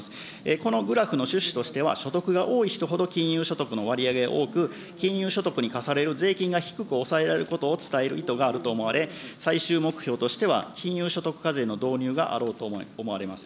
このグラフの趣旨としては、所得が多い人ほど金融所得の割合が多く、金融所得に課される税金が低く抑えられる伝える意図があると思われ、最終目標としては、金融所得課税の導入があろうと思われます。